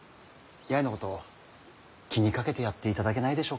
八重のこと気にかけてやっていただけないでしょうか。